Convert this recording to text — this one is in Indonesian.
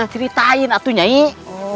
ceritain atunya nyik